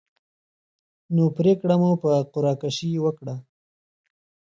نو پرېکړه مو په قره کشۍ وکړه.